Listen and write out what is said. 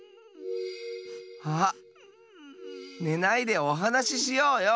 あっねないでおはなししようよ。